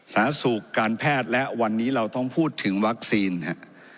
สาสุขการแพทย์และวันนี้เราต้องพูดถึงวัคซีนครับ